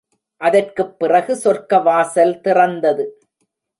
அதற்குப் பிறகு சொர்க்கவாசல் திறந்தது.